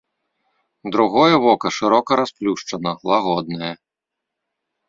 Другое вока шырока расплюшчана, лагоднае.